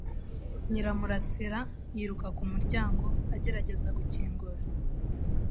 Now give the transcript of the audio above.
Nyiramurasira yiruka ku muryango agerageza gukingura.